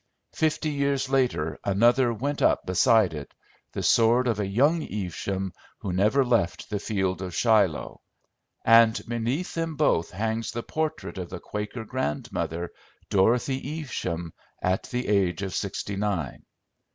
Fifty years later another went up beside it, the sword of a young Evesham who never left the field of Shiloh; and beneath them both hangs the portrait of the Quaker grandmother, Dorothy Evesham, at the age of sixty nine.